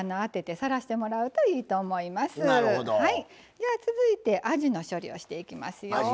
では続いてあじの処理をしていきますよ。